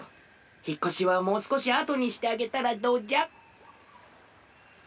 ひっこしはもうすこしあとにしてあげたらどうじゃ？